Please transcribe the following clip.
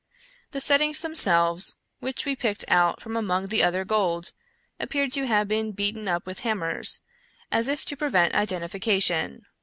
The settings themselves, which we picked out from among the other gold, appeared to have been beaten up with hammers, as if to prevent identifica 146 Edgar Allan Poe tion.